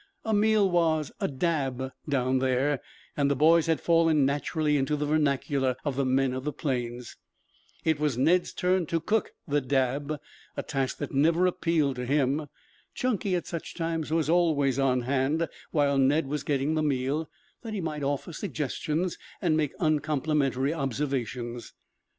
A meal was a "dab" down there and the boys had fallen naturally into the vernacular of the men of the plains. It was Ned's turn to cook the "dab," a task that never appealed to him. Chunky at such times was always on hand while Ned was getting the meal, that he might offer suggestions and make uncomplimentary observations.